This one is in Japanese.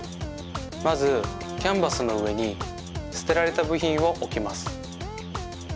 まずキャンバスのうえにすてられたぶひんをおきます。